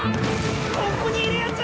・ここにいるヤツ